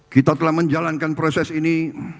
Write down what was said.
kita telah menjalankan proses ini